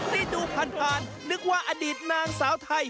นี่ดูผ่านนึกว่าอดีตนางสาวไทย